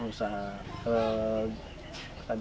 pengen usaha apa tadi